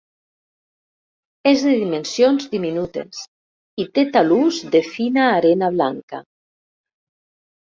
És de dimensions diminutes i té talús de fina arena blanca.